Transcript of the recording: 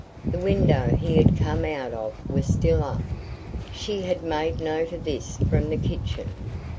The window he had come out of was still up. She had made note of this from the kitchen.